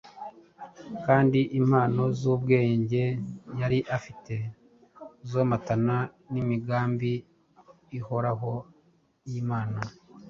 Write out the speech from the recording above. kandi impano z’ubwenge yari afite zomatana n’imigambi ihoraho y’Imana.